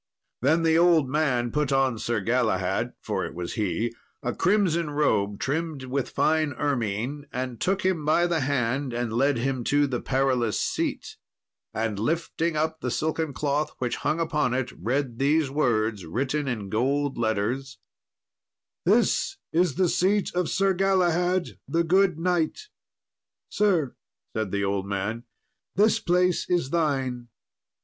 Then the old man put on Sir Galahad (for it was he) a crimson robe trimmed with fine ermine, and took him by the hand and led him to the Perilous Seat, and lifting up the silken cloth which hung upon it, read these words written in gold letters, "This is the seat of Sir Galahad, the good knight." "Sir," said the old man, "this place is thine."